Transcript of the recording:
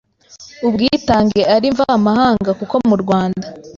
ubwitange ari mvamahanga kuko mu Rwanda